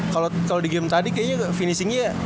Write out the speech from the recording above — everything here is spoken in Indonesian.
kalau di game tadi kayaknya finishingnya